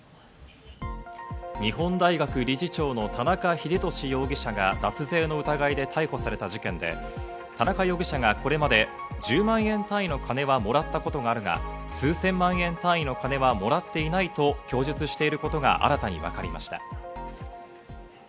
日本大学理事長の田中英壽容疑者が脱税の疑いで逮捕された事件で、田中容疑者がこれまで１０万円単位の金はもらったことがあるが、数千万円単位の金はもらっていないと供述していることが新たに分かりました。